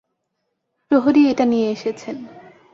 প্রহরী এটা নিয়ে এসেছেন।